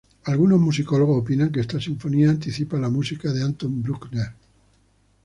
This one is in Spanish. Algunos musicólogos opinan que esta sinfonía anticipa la música de Anton Bruckner.